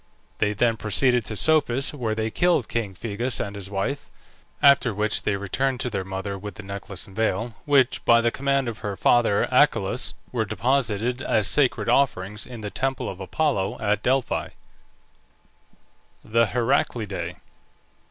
They then proceeded to Psophis, where they killed king Phegeus and his wife, after which they returned to their mother with the necklace and veil, which, by the command of her father Achelous, were deposited as sacred offerings in the temple of Apollo at Delphi. THE HERACLIDAE.